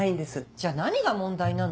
じゃ何が問題なの？